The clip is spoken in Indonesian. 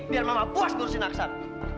biar mama puas guru sinak aksan